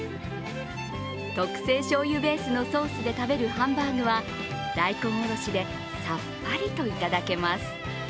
特製しょうゆベースのソースで食べるハンバーグは大根おろしでさっぱりといただけます。